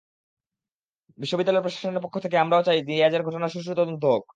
বিশ্ববিদ্যালয় প্রশাসনের পক্ষ থেকে আমরাও চাই, দিয়াজের ঘটনায় সুষ্ঠু তদন্ত হোক।